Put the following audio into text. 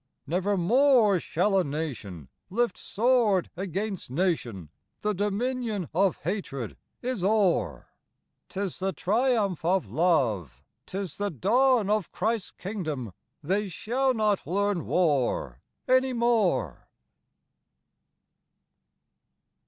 Nevermore shall a nation lift sword against nation, The dominion of Hatred is o'er; 'Tis the triumph of Love, 'tis the dawn of Christ's kingdom, They shall not learn war any more.